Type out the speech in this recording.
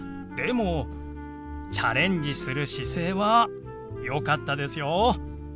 でもチャレンジする姿勢はよかったですよ。